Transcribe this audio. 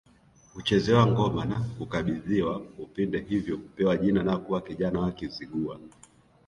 Huchezewa ngoma na kukabidhiwa upinde hivyo hupewa jina na kuwa kijana wa Kizigua